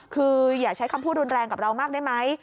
คืออย่าใช้คำพูดรุนแรงกับเรามากได้ไหม